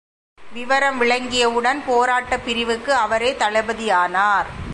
விவரம் விளங்கியவுடன் போராட்டப் பிரிவுக்கு அவரே தளபதியானார்.